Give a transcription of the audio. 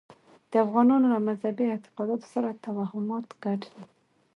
د افغانانو له مذهبي اعتقاداتو سره توهمات ګډ دي.